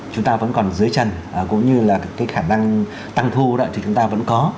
chúng ta vẫn còn dưới chân cũng như là cái khả năng tăng thu đó thì chúng ta vẫn có